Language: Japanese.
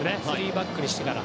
３バックにしてから。